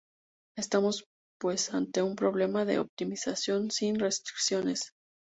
Estamos pues ante un problema de optimización sin restricciones.